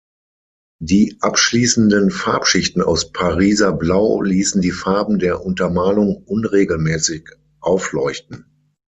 Die abschließenden Farbschichten aus Pariser Blau ließen die Farben der Untermalung unregelmäßig aufleuchten.